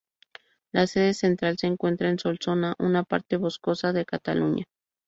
La sede central se encuentra en Solsona, una parte boscosa de Cataluña.